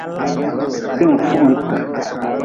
Ti-n fuhunti.